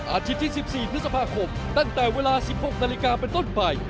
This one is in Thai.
อาทิตย์ที่๑๔นคตั้งแต่เวลา๑๖นเป็นต้นไป